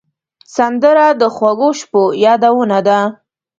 سندره د خوږو شپو یادونه ده